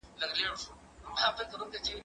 زه زده کړه کړي دي!.